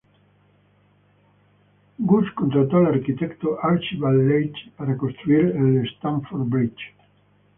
Gus contrató al arquitecto Archibald Leitch para construir el Stamford Bridge.